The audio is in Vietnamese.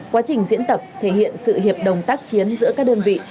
quá trình diễn tập thể hiện sự hiệp đồng tác chiến giữa các đơn vị